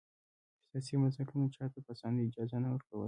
سیاسي بنسټونو چا ته په اسانۍ اجازه نه ورکوله.